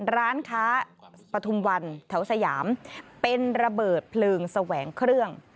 ร้านค้าปฐุมวันแถวสยามเป็นระเบิดเพลิงแสวงเครื่อง